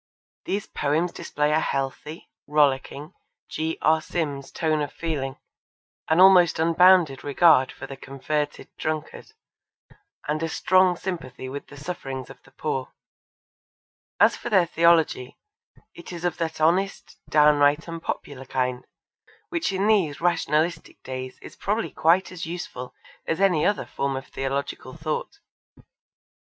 These poems display a healthy, rollicking, G. R. Sims tone of feeling, an almost unbounded regard for the converted drunkard, and a strong sympathy with the sufferings of the poor. As for their theology, it is of that honest, downright and popular kind, which in these rationalistic days is probably quite as useful as any other form of theological thought.